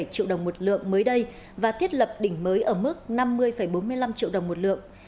năm mươi ba mươi bảy triệu đồng một lượng mới đây và thiết lập đỉnh mới ở mức năm mươi bốn mươi năm triệu đồng một lượng